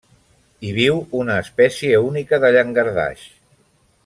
Hi viu una espècie única de llangardaix.